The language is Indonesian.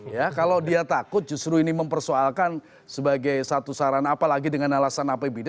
ya kalau dia takut justru ini mempersoalkan sebagai satu saran apalagi dengan alasan apbd